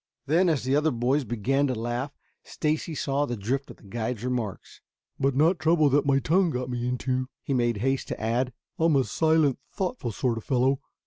Then, as the other boys began to laugh, Stacy saw the drift of the guide's remarks. "But not trouble that my tongue got me into," he made haste to add. "I'm a silent, thoughtful sort of fellow.